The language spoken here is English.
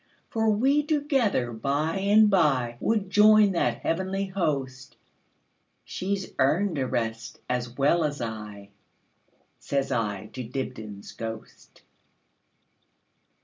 For we together by and byWould join that heavenly host; She 's earned a rest as well as I,"Says I to Dibdin's ghost.